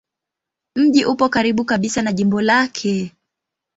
Mji upo karibu kabisa na jimbo lake.